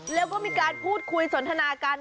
แล้วก็มีการพูดคุยสนทนากัน